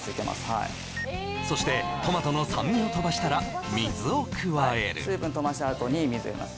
はいそしてトマトの酸味をとばしたら水を加える水分とばしたあとに水入れます